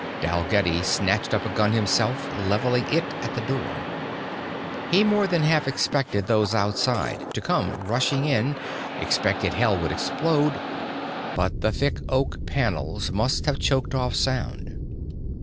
Dalgetty snatched up a gun for himself, leveling it at the door. He more than half expected those outside to come rushing in, expected hell would explode. But the thick oak panels must have choked off sound.